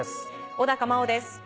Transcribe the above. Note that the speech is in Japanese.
小茉緒です。